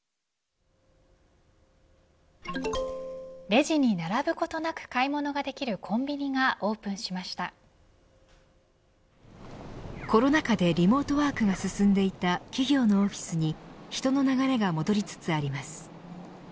レジに並ぶことなく買い物ができるコンビニがコロナ禍でリモートワークが進んでいた企業のオフィスに人の流れが戻りつつあります。